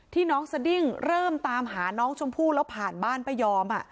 น้องสดิ้งเริ่มตามหาน้องชมพู่แล้วผ่านบ้านป้ายอม